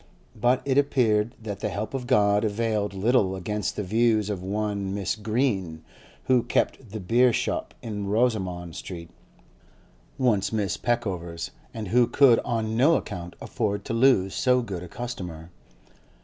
But it appeared that the help of God availed little against the views of one Mrs. Green, who kept the beer shop in Rosoman Street, once Mrs. Peckover's, and who could on no account afford to lose so good a customer.